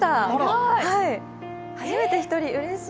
初めて１人、うれしい。